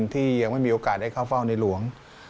ที่ยังไม่มีโอกาสได้เข้าเฝ้าในหลวง